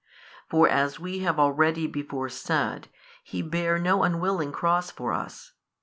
For as we have already before said, He bare no unwilling Cross for us.